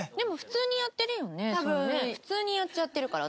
普通にやっちゃってるから私たちは。